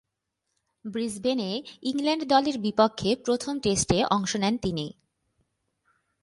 ব্রিসবেনে England দলের বিপক্ষে প্রথম টেস্টে অংশ নেন তিনি।